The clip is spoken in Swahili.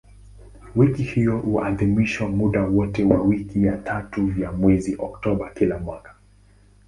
Wiki hiyo huadhimishwa muda wote wa wiki ya tatu ya mwezi Oktoba kila mwaka.